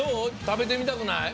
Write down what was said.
たべてみたくない？